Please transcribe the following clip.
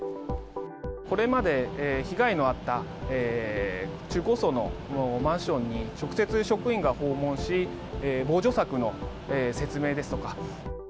これまで被害のあった中高層のマンションに直接、職員が訪問し、防除策の説明ですとか。